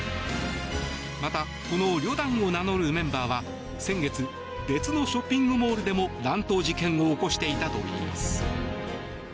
また、このリョダンを名乗るメンバーは先月別のショッピングモールでも乱闘事件を起こしていたといいます。